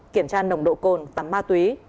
kiểm tra nồng độ cồn tắm ma túy